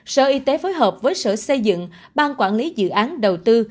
sở y tế phối hợp với sở xây dựng ban quản lý dự án đầu tư